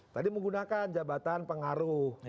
tadi menggunakan jabatan pengaruh